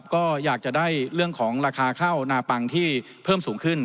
ก็อยากจะได้เรื่องของราคาข้าวนาปังที่เพิ่มสูงขึ้น